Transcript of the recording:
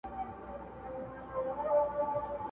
ددې خاوري هزاره ترکمن زما دی؛